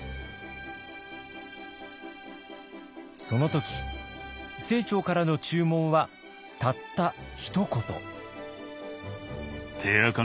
その時清張からの注文はたったひと言。